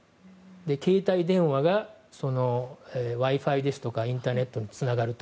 携帯電話がＷｉ‐Ｆｉとかインターネットにつながると。